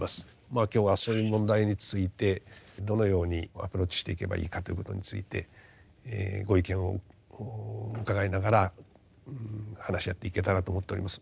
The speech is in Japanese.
今日はそういう問題についてどのようにアプローチしていけばいいかということについてご意見を伺いながら話し合っていけたらと思っております。